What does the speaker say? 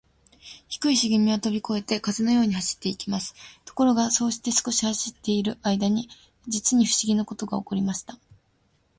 低いしげみはとびこえて、風のように走っていきます。ところが、そうして少し走っているあいだに、じつにふしぎなことがおこりました。